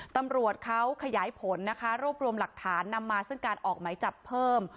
ตำรวจเขาขยายผลนะคะรวบรวมหลักฐานนำมาซึ่งการออกไหมจับเพิ่ม